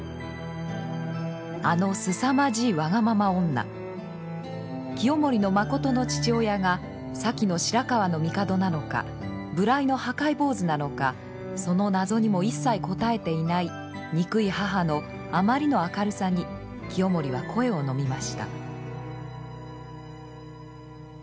あのすさまじいわがまま女清盛のまことの父親が先の白河帝なのか無頼の破戒坊主なのかその謎にも一切答えていない憎い母のあまりの明るさに清盛は声をのみました。